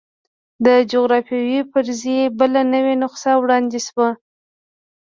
د جغرافیوي فرضیې بله نوې نسخه وړاندې شوه.